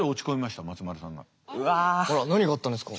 何があったんですか？